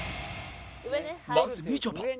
まずみちょぱ